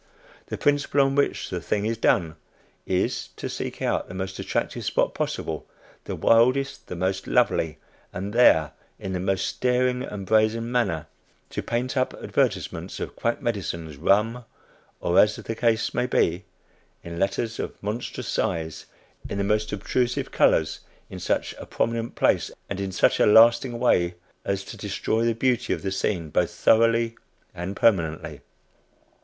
The principle on which the thing is done is, to seek out the most attractive spot possible the wildest, the most lovely, and there, in the most staring and brazen manner to paint up advertisements of quack medicines, rum, or as the case may be, in letters of monstrous size, in the most obtrusive colors, in such a prominent place, and in such a lasting way as to destroy the beauty of the scene both thoroughly and permanently.